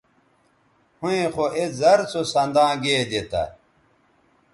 ھویں خو اے زر سو سنداں گیدے تھا